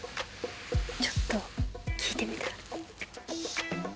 ちょっと聞いてみたら？